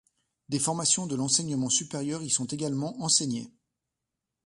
Des formations de l'enseignement supérieur y sont également enseignées.